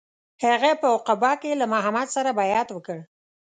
هغه په عقبه کې له محمد سره بیعت وکړ.